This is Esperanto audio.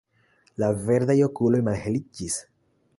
La verdaj okuloj malheliĝis.